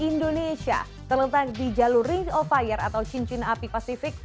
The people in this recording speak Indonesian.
indonesia terletak di jalur ring of fire atau cincin api pasifik